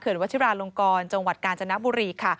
วัชิราลงกรจังหวัดกาญจนบุรีค่ะ